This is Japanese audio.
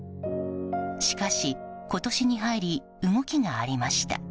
しかし、今年に入り動きがありました。